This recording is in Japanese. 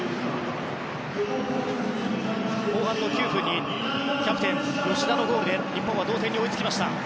後半の９分にキャプテン吉田のゴールで日本は同点に追いつきました。